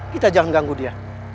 kita jangan ganggu dia